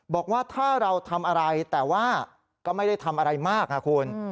บอกว่าถ้าเราทำอะไรแต่ว่าก็ไม่ได้ทำอะไรมากนะคุณ